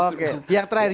oke yang terakhir